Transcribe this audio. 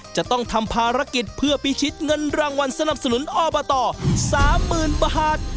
จะต้องทำภารกิจเพื่อพิชิตเงินรางวัลสนับสนุนอบต๓๐๐๐บาท